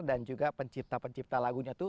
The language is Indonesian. dan juga pencipta pencipta lagunya itu